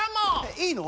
いいの？